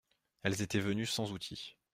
Elles étaient venues sans outil.